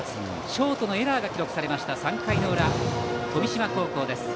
ショートのエラーが記録された３回の裏、富島高校。